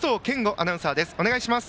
アナウンサーです。